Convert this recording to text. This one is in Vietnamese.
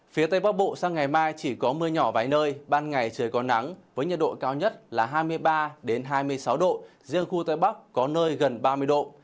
phía tây bắc bộ sang ngày mai chỉ có mưa nhỏ vài nơi ban ngày trời có nắng với nhiệt độ cao nhất là hai mươi ba hai mươi sáu độ riêng khu tây bắc có nơi gần ba mươi độ